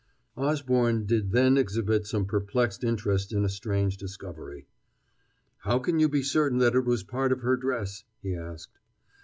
Osborne did then exhibit some perplexed interest in a strange discovery. "How can you be certain that it was part of her dress?" he asked.